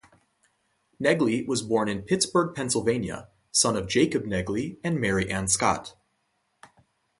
Negley was born in Pittsburgh, Pennsylvania, son of Jacob Negley and Mary Ann Scott.